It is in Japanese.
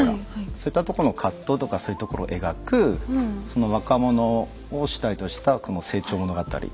そういったとこの葛藤とかそういうところを描くその若者を主体とした成長物語。